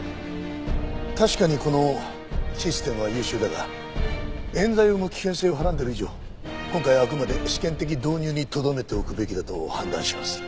確かにこのシステムは優秀だが冤罪を生む危険性をはらんでる以上今回はあくまで試験的導入にとどめておくべきだと判断します。